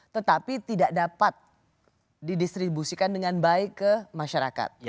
tetapi tidak dapat didistribusikan dengan baik ke masyarakat